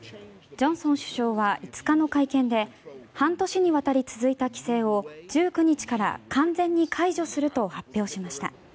ジョンソン首相は５日の会見で半年にわたり続いた規制を１９日から完全に解除すると発表しました。